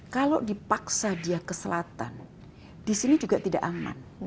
kalau dipaksa dia ke selatan di sini juga tidak aman